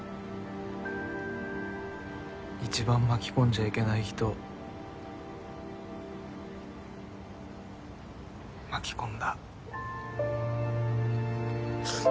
一番巻き込んじゃいけない人巻き込んだ。